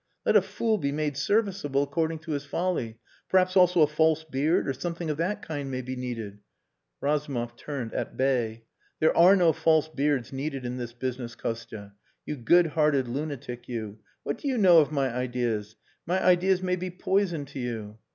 Let a fool be made serviceable according to his folly. Perhaps also a false beard or something of that kind may be needed. "Razumov turned at bay. "There are no false beards needed in this business, Kostia you good hearted lunatic, you. What do you know of my ideas? My ideas may be poison to you."